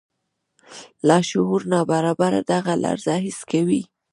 لاشعور ناببره دغه لړزه حس کوي.